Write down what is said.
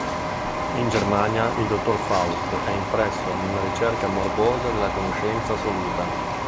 In Germania il dottor Faust è impresso in una ricerca morbosa della conoscenza assoluta.